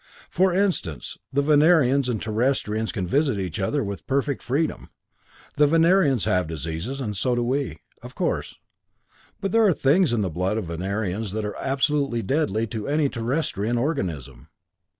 For instance, the Venerians and Terrestrians can visit each other with perfect freedom. The Venerians have diseases, and so do we, of course; but there are things in the blood of Venerians that are absolutely deadly to any Terrestrian organism.